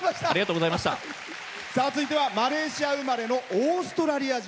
続いてはマレーシア生まれのオーストラリア人。